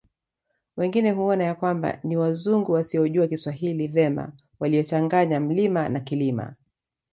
Wengine huona ya kwamba ni Wazungu wasiojua Kiswahili vema waliochanganya mlima na Kilima